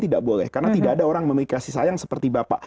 tidak boleh karena tidak ada orang memiliki kasih sayang seperti bapak